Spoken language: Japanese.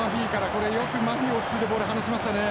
これよくマフィ落ち着いてボール離しましたね。